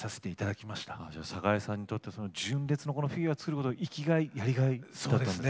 寒河江さんにとって純烈のこのフィギュアを作ることが生きがいやりがいだったんですね。